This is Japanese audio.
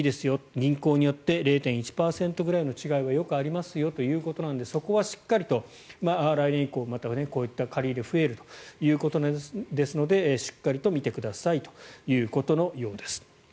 銀行によって０．１％ぐらいの違いはよくありますよということでそこはしっかりと来年以降こういった借り入れが増えるということですのでしっかりと見てくださいということのようです。